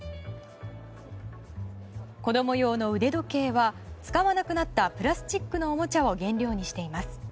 子供用の腕時計は使わなくなったプラスチックのおもちゃを原料にしています。